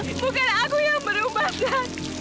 bukan aku yang berubah set